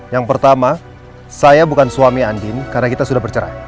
yang pertama saya bukan suami andin karena kita sudah bercerai